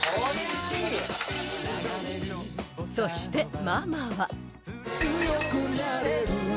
［そしてママは］